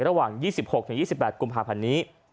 ระหว่าง๒๖๒๘กุมภาพันธ์นี้